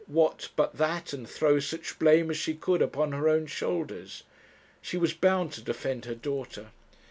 what but that, and throw such blame as she could upon her own shoulders? She was bound to defend her daughter.